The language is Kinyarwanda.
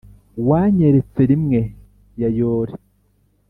wanyeretse rimwe, ya yore;